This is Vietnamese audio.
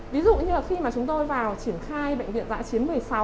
ví dụ như khi chúng tôi vào triển khai bệnh viện giã chiến một mươi sáu